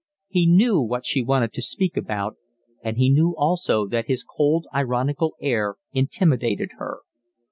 He knew what she wanted to speak about, and he knew also that his cold, ironical air intimidated her.